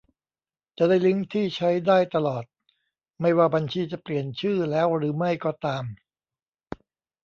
จะได้ลิงก์ที่ใช้ได้ตลอด ไม่ว่าบัญชีจะเปลี่ยนชื่อแล้วหรือไม่ก็ตาม